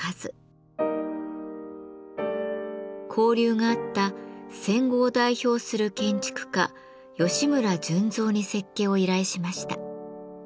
交流があった戦後を代表する建築家吉村順三に設計を依頼しました。